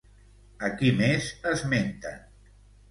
A qui més esmenten?